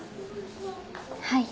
はい。